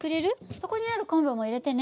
そこにある昆布も入れてね。